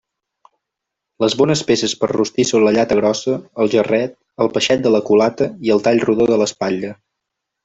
Les bones peces per a rostir són la llata grossa, el jarret, el peixet de la culata i el tall rodó de l'espatlla.